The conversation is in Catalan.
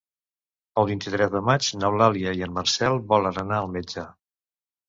El vint-i-tres de maig n'Eulàlia i en Marcel volen anar al metge.